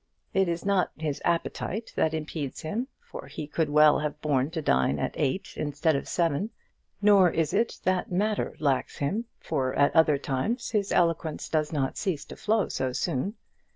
It is not his appetite that impedes him, for he could well have borne to dine at eight instead of seven; nor is it that matter lacks him, for at other times his eloquence does not cease to flow so soon.